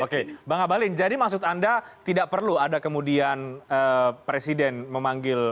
oke bang abalin jadi maksud anda tidak perlu ada kemudian presiden memanggil